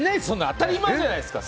当たり前じゃないですか！